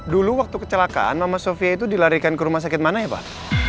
dulu waktu kecelakaan mama sofia itu dilarikan ke rumah sakit mana ya pak